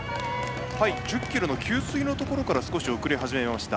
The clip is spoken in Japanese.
１０ｋｍの給水のところから少し遅れ始めました。